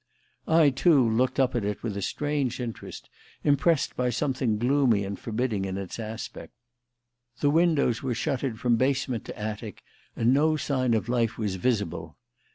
I, too, looked up at it with a strange interest, impressed by something gloomy and forbidding in its aspect. The windows were shuttered from basement to attic, and no sign of life was visible.